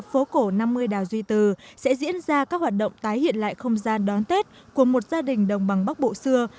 phố cổ năm mươi đào duy từ sẽ diễn ra các hoạt động tái hiện lại không gian đón tết của một gia đình đồng bằng bắc bộ xưa